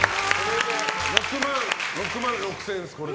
６万６０００円です、これで。